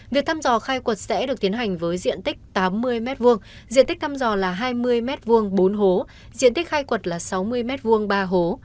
việc thăm dò khai quật sẽ được tiến hành với diện tích tám mươi m hai diện tích thăm dò là hai mươi m hai bốn hố diện tích khai quật là sáu mươi m hai ba hố